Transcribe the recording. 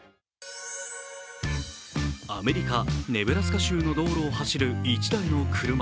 アメリカ・ネブラスカ州の道路を走る１台の車。